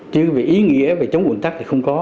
chứ về ý nghĩa về chống ủn tắc thì không có